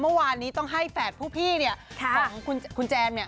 เมื่อวานนี้ต้องให้แฝดผู้พี่เนี่ยของคุณแจมเนี่ย